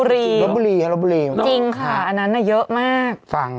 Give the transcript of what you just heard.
รบบุรีจริงค่ะอันนั้นเยอะมาก